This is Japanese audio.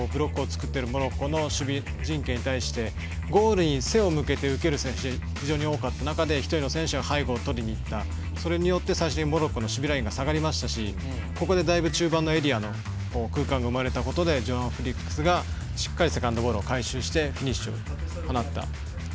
しっかりブロックを作っているモロッコの守備陣系ゴールに背を向ける守備が非常に多かった中で１人の選手が背後をとりにいった最終的にモロッコの守備ラインが下がりましたしここでだいぶ中盤のエリアの空間が生まれたことでジョアン・フェリックスが回収して、フィニッシュを放った。